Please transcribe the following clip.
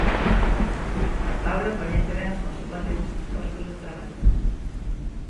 Paula coñece ben as consecuencias destes postos de traballo.